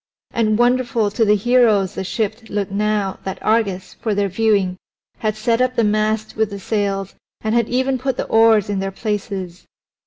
And wonderful to the heroes the ship looked now that Argus, for their viewing, had set up the mast with the sails and had even put the oars in their places.